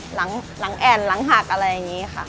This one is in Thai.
หลังแอ่นหลังหักอะไรอย่างนี้ค่ะ